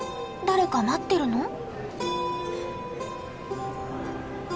誰か待ってるの？